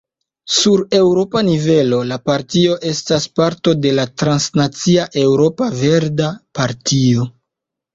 Sur eŭropa nivelo, la partio estas parto de la transnacia Eŭropa Verda Partio.